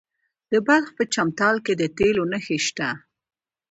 د بلخ په چمتال کې د تیلو نښې شته.